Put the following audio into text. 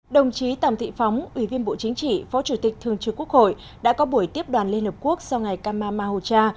đồng chí tòng thị phóng ủy viên bộ chính trị phó chủ tịch thường trực quốc hội đã có buổi tiếp đoàn liên hợp quốc sau ngày kama mahocha